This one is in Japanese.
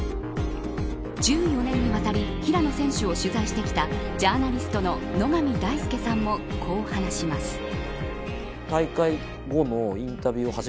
１４年にわたり平野選手を取材してきたジャーナリストの野上大介さんもこう話します。